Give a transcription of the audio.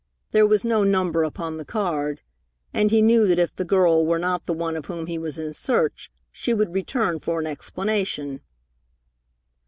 There was no number upon the card, and he knew that if the girl were not the one of whom he was in search, she would return for an explanation.